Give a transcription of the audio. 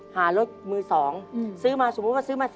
หารถมือ๒ซื้อมาสมมติว่าซื้อมา๑๐๘๐๐๐